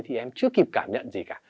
thì em chưa kịp cảm nhận gì cả